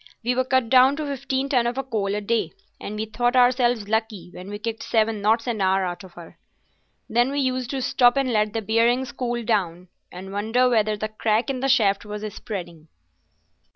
We were cut down to fifteen ton of coal a day, and we thought ourselves lucky when we kicked seven knots an hour out of her. Then we used to stop and let the bearings cool down, and wonder whether the crack in the shaft was spreading."